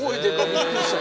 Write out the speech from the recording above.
びっくりした。